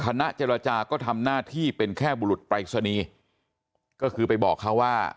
ณเจรจาก็ทำหน้าที่เป็นแค่บุรุษปรายศนีย์ก็คือไปบอกเขาว่า